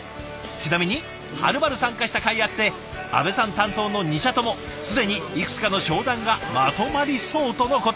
ちなみにはるばる参加したかいあって阿部さん担当の２社とも既にいくつかの商談がまとまりそうとのこと。